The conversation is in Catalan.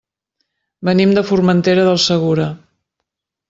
Venim de Formentera del Segura.